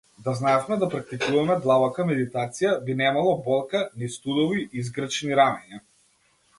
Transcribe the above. Да знаевме да практикуваме длабока медитација, би немало болка, ни студови и згрчени рамења.